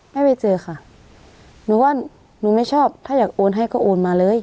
ไม่ไปเจอค่ะหนูว่าหนูไม่ชอบถ้าอยากโอนให้ก็โอนมาเลย